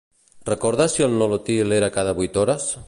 Recordes si el Nolotil era cada vuit hores?